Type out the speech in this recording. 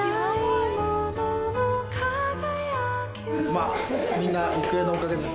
まあ、みんな郁恵のおかげで